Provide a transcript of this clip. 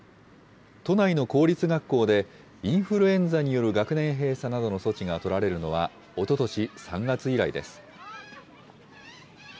都内の公立学校で、インフルエンザによる学年閉鎖などの措置が取られるのは、おととし３月以来です。